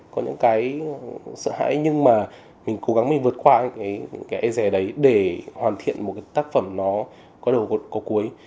có những cái sợ hãi nhưng mà mình cố gắng mình vượt qua những cái ế rẻ đấy để hoàn thiện một cái tác phẩm nó có đồ cột cuối